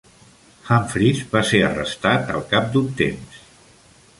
Humphries va ser arrestat al cap d'un temps.